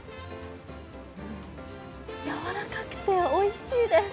やわらかくておいしいです。